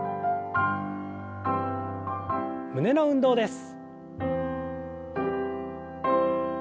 胸の運動です。